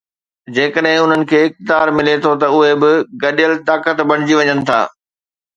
جيڪڏهن انهن کي اقتدار ملي ٿو ته اهي به گڏيل طاقت بڻجي وڃن ٿا.